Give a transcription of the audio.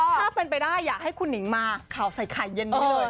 ถ้าเป็นไปได้อยากให้คุณหนิงมาข่าวใส่ไข่เย็นนี้เลย